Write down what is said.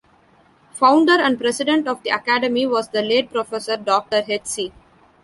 Founder and president of the Academy was the late Professor Doctor hc.